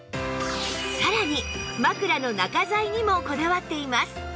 さらに枕の中材にもこだわっています